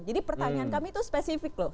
jadi pertanyaan kami itu spesifik loh